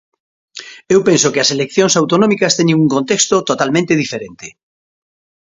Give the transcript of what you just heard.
Eu penso que as eleccións autonómicas teñen un contexto totalmente diferente.